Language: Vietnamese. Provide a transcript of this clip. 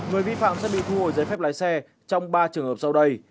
người vi phạm sẽ bị thu hồi giấy phép lái xe trong ba trường hợp sau đây